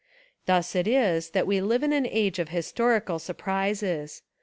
Thus it is that we live in an age of historical surprises.